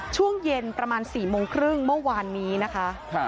ช่วงเย็นประมาณ๔โมงครึ่งเมื่อวานนี้นะคะ